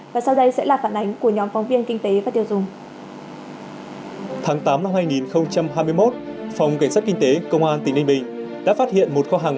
và sau đây sẽ là phản ánh của nhóm phóng viên kinh tế và tiêu dùng